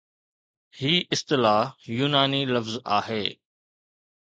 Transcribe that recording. هي اصطلاح يوناني لفظ آهي